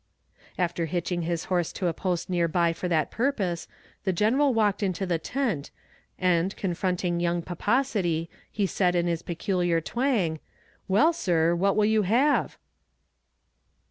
After hitching the horse to a post near by for that purpose, the general walked into the tent, and, confronting young pomposity, he said in his peculiar twang, "Well, sir, what will you have?"